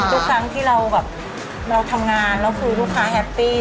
ทุกครั้งที่เราแบบเราทำงานแล้วคือลูกค้าแฮปปี้